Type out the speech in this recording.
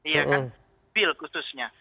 ya kan mobil khususnya